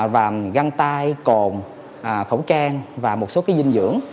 và găng tay cồn khẩu trang và một số dinh dưỡng